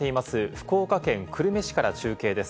福岡県久留米市から中継です。